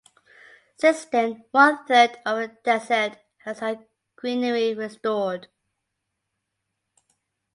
Since then one third of the desert has had greenery restored.